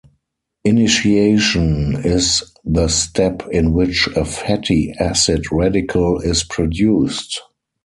Initiation is the step in which a fatty acid radical is produced.